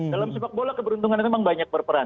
dalam sepak bola keberuntungan itu memang banyak berperan